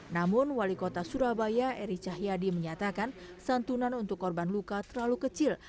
namun wali kota surabaya eri cahyadi menyatakan santunan untuk korban luka terlalu kecil